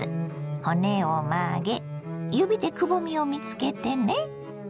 骨を曲げ指でくぼみを見つけてね。